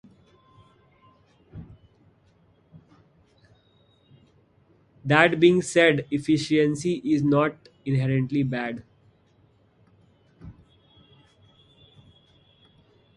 That being said, efficiency is not inherently bad.